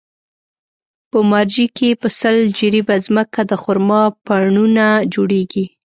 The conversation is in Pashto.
په مارجې کې په سل جریبه ځمکه د خرما پڼونه جوړېږي.